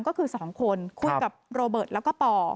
ก็คือ๒คนคุยกับโรเบิร์ตแล้วก็ป่อ